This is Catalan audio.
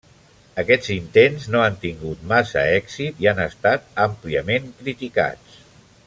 Aquests intents no han tingut massa èxit i han estat àmpliament criticats.